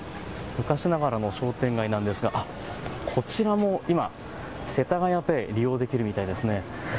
昔ながらの商店街なんですがこちらも今、せたがやＰａｙ利用できるみたいですね。